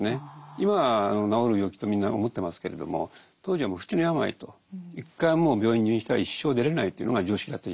今は治る病気とみんな思ってますけれども当時はもう不治の病と一回もう病院に入院したら一生出れないというのが常識だった時代ですから。